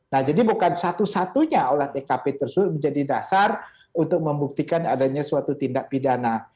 nah jadi bukan satu satunya olah tkp tersebut menjadi dasar untuk membuktikan adanya suatu tindak pidana